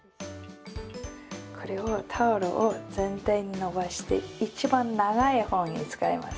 タオルを全体に伸ばして一番長い方を使います。